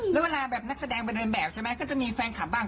แล้วเวลาแบบนักแสดงไปเดินแบบใช่ไหมก็จะมีแฟนคลับบ้าง